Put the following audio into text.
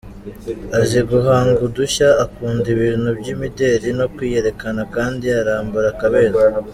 Azi guhanga udushya, Akunda ibintu by’imideli no kwiyerekana kandi arambara akaberwa.